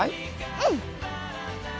うん！